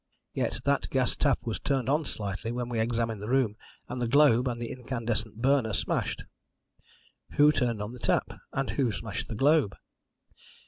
Yet that gas tap was turned on slightly when we examined the room, and the globe and the incandescent burner smashed. Who turned on the tap, and who smashed the globe?